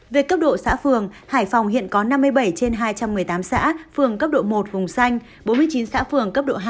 về cấp độ xã phường hải phòng hiện có năm mươi bảy trên hai trăm một mươi tám xã phường cấp độ một vùng xanh bốn mươi chín xã phường cấp độ hai